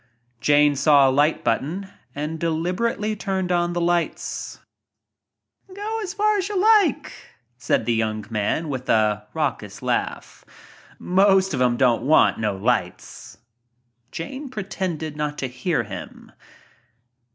Jane saw a light button and deliberately turned on the lights. "Go as far as you like," said the young man with raucous laugh. "Most o' them don't want no s." Jane pretended not to hear him.